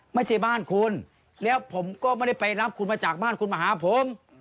ไม่ใช่บ้านคุณแล้วผมก็ไม่ได้ไปรับคุณมาจากบ้านคุณมาหาผม